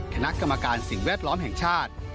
คณะกรรมการสิ่งแวดล้อมแห่งชาติ